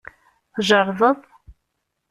Tjerrdeḍ?